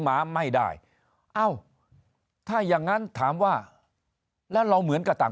หมาไม่ได้เอ้าถ้าอย่างงั้นถามว่าแล้วเราเหมือนกับต่าง